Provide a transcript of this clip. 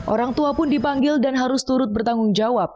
orang tua pun dipanggil dan harus turut bertanggung jawab